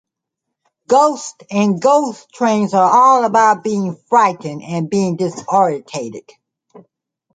Ghosts and ghost trains are all about being frightened and being disorientated.